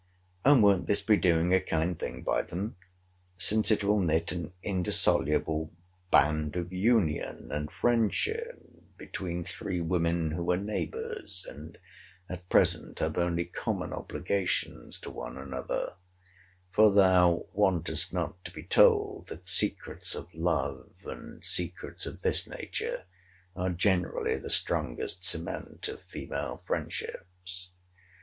And won't this be doing a kind thing by them? since it will knit an indissoluble band of union and friendship between three women who are neighbours, and at present have only common obligations to one another: for thou wantest not to be told, that secrets of love, and secrets of this nature, are generally the strongest cement of female friendships.